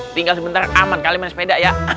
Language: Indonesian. tinggal sebentar aman kali main sepeda ya